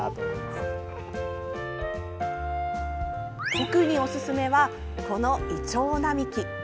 特におすすめはこのイチョウ並木。